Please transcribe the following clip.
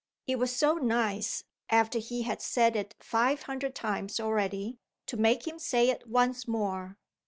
It was so nice (after he had said it five hundred times already) to make him say it once more!